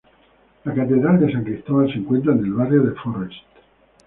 La Catedral de San Cristóbal se encuentra en el barrio de Forrest.